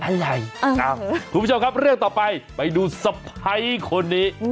อะไรเอ้าผู้ผู้ชมครับเรื่องต่อไปไปดูสะไพ้คนนี้